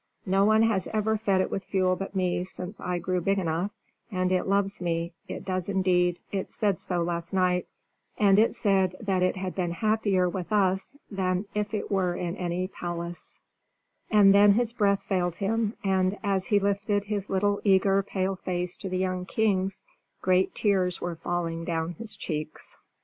No one ever has fed it with fuel but me since I grew big enough, and it loves me; it does indeed; it said so last night; and it said that it had been happier with us than if it were in any palace " And then his breath failed him, and, as he lifted his little eager, pale face to the young king's, great tears were falling down his cheeks.